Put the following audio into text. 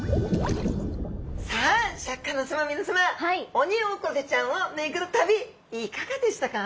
オニオコゼちゃんを巡る旅いかがでしたか？